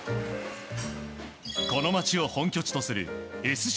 この街を本拠地とするＳＣ